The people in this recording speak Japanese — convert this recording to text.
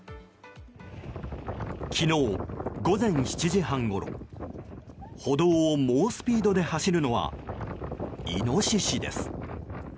昨日午前７時半ごろ歩道を猛スピードで走るのはイノシシです。